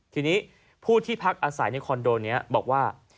ทีนี้ผู้ที่พักอาศัยในคอนโดนี้บอกว่า